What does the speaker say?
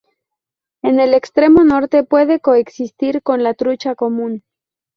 En el extremo norte puede coexistir con la trucha común.